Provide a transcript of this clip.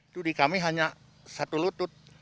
jadi kami hanya satu lutut